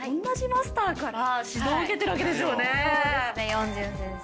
ヨンジュン先生。